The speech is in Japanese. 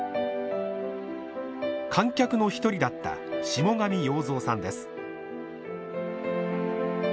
観客の一人だった下神洋造さんです。